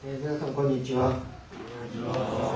こんにちは。